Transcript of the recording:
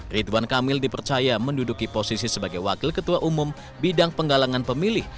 ridwan kamil dipercaya menduduki posisi sebagai wakil ketua umum bidang penggalangan pemilih